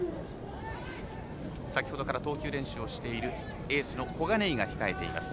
先ほどから投球練習をしているエースの小金井が控えています。